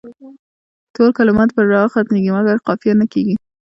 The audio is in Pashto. ټول کلمات پر راء ختمیږي مګر قافیه نه کیږي.